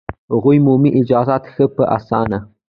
هغه مومي اجازت ښه په اسانه